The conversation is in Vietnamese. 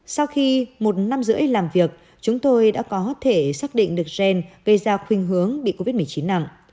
sau khi một năm rưỡi làm việc chúng tôi đã có thể xác định được gen gây ra khuyên hướng bị covid một mươi chín nặng